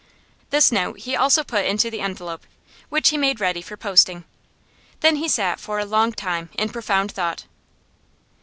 This note he also put into the envelope, which he made ready for posting. Then he sat for a long time in profound thought.